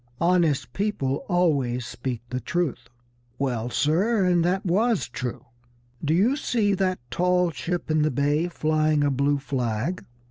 Honest people always speak the truth." "Well, sir, and that was true. Do you see that tall ship in the bay flying a blue flag?"